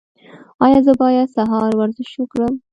ایا زه باید سهار ورزش وکړم؟